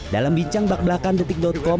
dalam bincang bakbelakan detik com